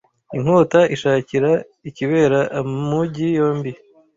inkota isharira ikebera amugi yombi